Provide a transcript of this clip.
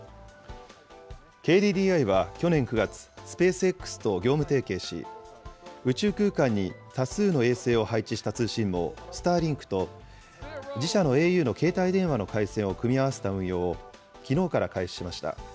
ＫＤＤＩは去年９月、スペースＸと業務提携し、宇宙空間に多数の衛星を配置した通信網、スターリンクと自社のａｕの携帯電話の回線を組み合わせた運用をきのうから開始しました。